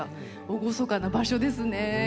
厳かな場所ですね。